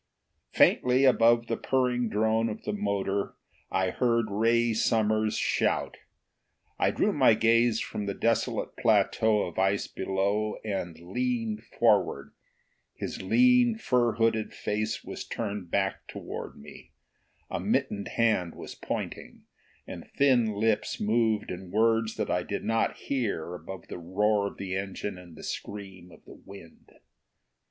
Faintly, above the purring drone of the motor, I heard Ray Summers' shout. I drew my gaze from the desolate plateau of ice below and leaned forward. His lean, fur hooded face was turned back toward me. A mittened hand was pointing, and thin lips moved in words that I did not hear above the roar of the engine and the scream of the wind.